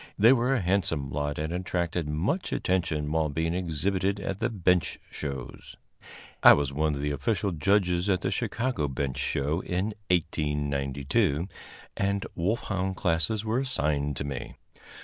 They were a handsome lot and attracted much attention while being exhibited at the bench shows. I was one of the official judges at the Chicago Bench Show in 1892, and wolfhound classes were assigned me.